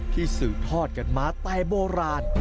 ที่สื่อทอดกันมาใต้โบราณ